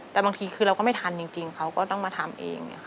แต่บางทีคือเราก็ไม่ทันจริงเขาก็ต้องมาทำเอง